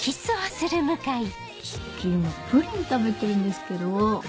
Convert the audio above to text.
ちょっと今プリン食べてるんですけど。